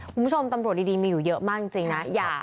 คุณผู้ชมตำรวจดีมีอยู่เยอะมากจริงนะ